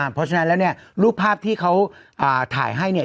เพราะฉะนั้นแล้วรูปภาพที่เขาถ่ายให้